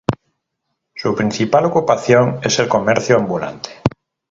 Su principal ocupación es el comercio ambulante.